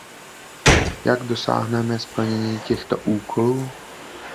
Jak dosáhneme splnění těchto úkolů?